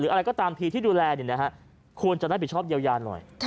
อะไรก็ตามทีที่ดูแลควรจะรับผิดชอบเยียวยาหน่อย